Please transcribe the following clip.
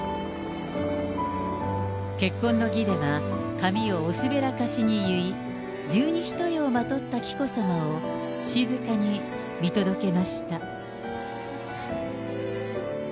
結婚の儀では、髪をおすべらかしに結い、十二単をまとった紀子さまを静かに見届けました。